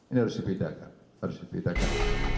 ini harus dipindahkan harus dipindahkan